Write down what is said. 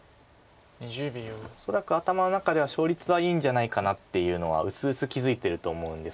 恐らく頭の中では勝率はいいんじゃないかなっていうのはうすうす気付いてると思うんですけど。